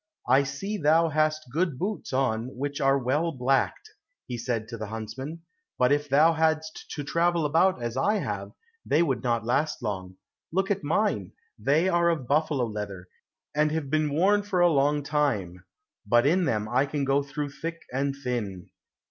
"I see thou hast good boots on, which are well blacked," said he to the huntsman; "but if thou hadst to travel about as I have, they would not last long. Look at mine, they are of buffalo leather, and have been worn for a long time, but in them I can go through thick and thin."